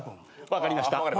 分かりました。